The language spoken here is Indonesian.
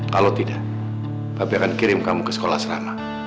kalau tidak papi akan kirim kamu ke sekolah serama